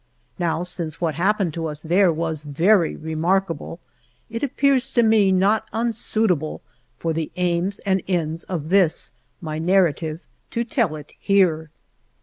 Now, since what happened to us there was very remarkable, it appeared to me not un suitable, for the aims and ends of this, my narrative, to tell it here.